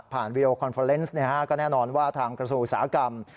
วีดีโอคอนเฟอร์เนสก็แน่นอนว่าทางกระทรวงอุตสาหกรรม